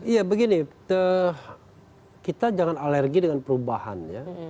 ya begini kita jangan alergi dengan perubahan ya